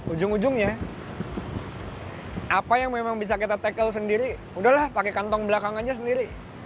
ujung ujungnya apa yang memang bisa kita tackle sendiri udahlah pakai kantong belakang aja sendiri